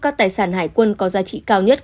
các tài sản hải quân có giá trị cao nhất